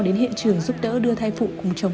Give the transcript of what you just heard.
đến hiện trường giúp đỡ đưa thai phụ cùng chồng